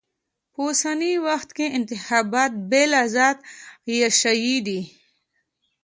په اوسني وخت کې انتخابات بې لذته عياشي ده.